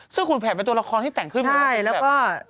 ซึ่งขุนแผนเป็นตัวละครที่แต่งขึ้นมาแล้วเป็นแบบใช่แล้วก็